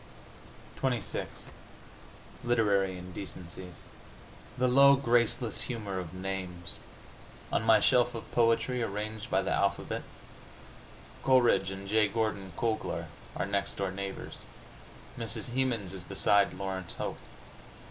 XXVI LITERARY INDECENCIES The low, graceless humor of names! On my shelf of poetry, arranged by the alphabet, Coleridge and J. Gordon Cooglar are next door neighbors! Mrs. Hemans is beside Laurence Hope!